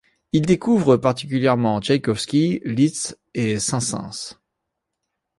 Il découvre particulièrement Tchaïkovski, Liszt et Saint-Saëns.